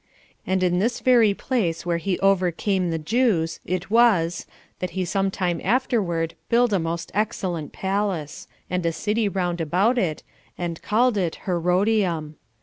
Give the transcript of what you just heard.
And in this very place where he overcame the Jews it was that he some time afterward build a most excellent palace, and a city round about it, and called it Herodium.